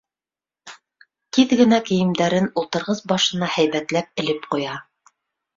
Тиҙ генә кейемдәрен ултырғыс башына һәйбәтләп элеп ҡуя.